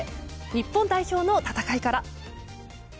日本代表の戦いから。